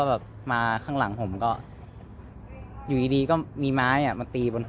เวลาที่สุดตอนที่สุด